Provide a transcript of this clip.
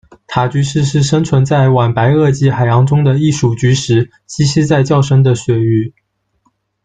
塔菊石是生存在晚白垩纪海洋中的一属菊石，栖息在较深的水域。